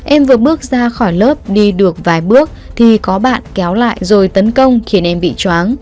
em vừa bước ra khỏi lớp đi được vài bước thì có bạn kéo lại rồi tấn công khiến em bị chóng